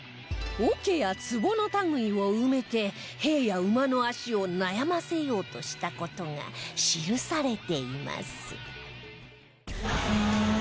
桶や壺の類いを埋めて兵や馬の足を悩ませようとした事が記されています